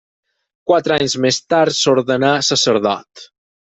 Quatre anys més tard s'ordenà sacerdot.